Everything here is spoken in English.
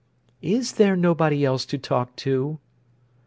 "Is there nobody else to talk to?"